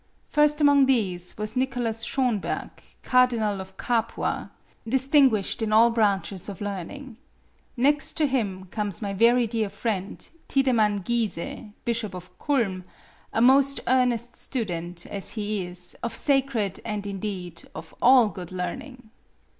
First among these was Nicolaus Schonberg, Cardinal of Capua, distinguished in all branches of learning. Next to him comes my very dear friend, Tidemann Giese, Bishop of Culm, a most earnest student, as he is, of sacred and, indeed, of all good learning.